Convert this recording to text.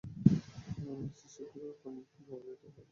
আমি নিশ্চিত শীঘ্রই ও ওর কর্মফল পাবে একটা ভালো বুদ্ধি এসেছে।